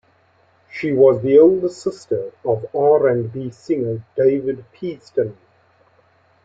She was the older sister of R and B singer David Peaston.